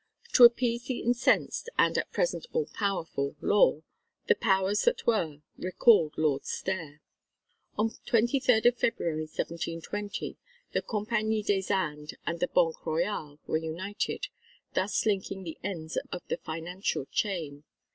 To appease the incensed and at present all powerful Law, the powers that were recalled Lord Stair. On 23 February 1720, the Compagnie des Indes and the Banque Royale were united, thus linking the ends of the financial chain.